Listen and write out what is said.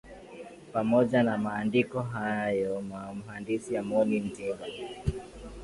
Pamoja na maandiko hayo Mhandisi Amoni Ntimba